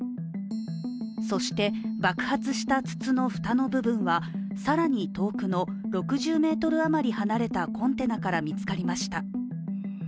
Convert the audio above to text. そして、爆発した筒の蓋の部分は更に遠くの６０ｍ余り離れたコンテナから見つかりました。